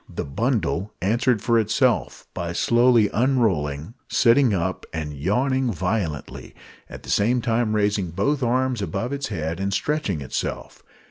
The bundle answered for itself; by slowly unrolling, sitting up and yawning violently, at the same time raising both arms above its head and stretching itself.